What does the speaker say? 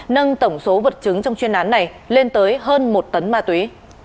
nâng tổng số vật chứng trong chuyên án này lên tới hơn một tấn ma túy